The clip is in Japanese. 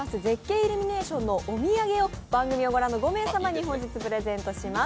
イルミネーションおお土産を番組を御覧の５名様に本日プレゼントします。